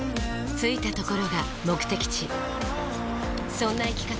着いたところが目的地そんな生き方